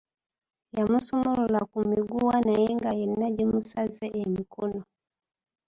Yamusumulula ku miguwa naye nga yenna gimusaze emikono.